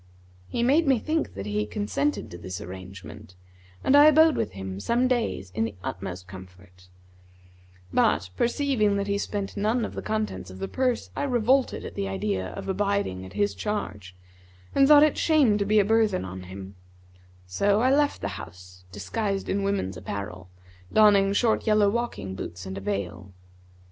He made me think that he consented to this arrangement, and I abode with him some days in the utmost comfort; but, perceiving that he spent none of the contents of the purse, I revolted at the idea of abiding at his charge and thought it shame to be a burthen on him; so I left the house disguised in women's apparel, donning short yellow walking boots[FN#153] and veil.